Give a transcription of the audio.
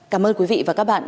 cảm ơn quý vị và các bạn